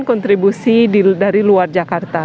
kontribusi dari luar jakarta